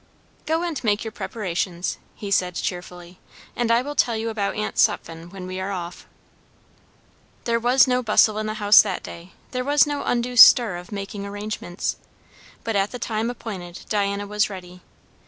"Go and make your preparations," he said cheerfully; "and I will tell you about Aunt Sutphen when we are off." There was no bustle in the house that day, there was no undue stir of making arrangements; but at the time appointed Diana was ready.